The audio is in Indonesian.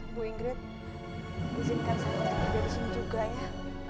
ibu ingrid izinkan saya untuk di sini juga ya